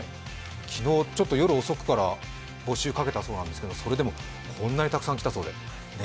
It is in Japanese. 昨日、夜遅くから募集をかけたそうなんですけど、それでもこんなにたくさん来たそうです。